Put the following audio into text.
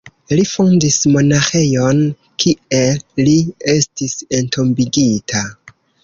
Li fondis monaĥejon, kie li estis entombigita.